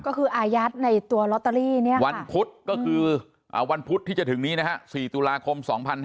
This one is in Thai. ก็คืออายัดในตัวลอตเตอรี่วันพุธก็คือวันพุธที่จะถึงนี้นะฮะ๔ตุลาคม๒๕๕๙